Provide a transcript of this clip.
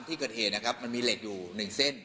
ที่เกิดเหตุนะครับมันมีเหล็กอยู่๑เส้น